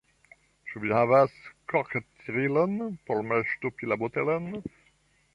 Ĉu vi havas korktirilon, por malŝtopi la botelon?